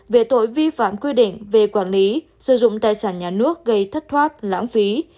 về tội vi phạm quy định về quản lý sử dụng tài sản nhà nước gây thất thoát lãng phí